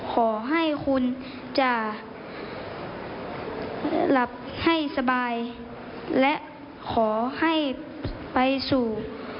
ขอให้คุณจะหลับให้สบายและขอให้ไปสู่